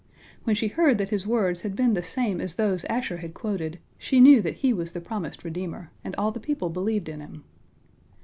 When she heard that his words had been the same as those Asher had quoted, she knew that he was the promised redeemer, and all the people believed in him.